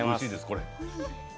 これ。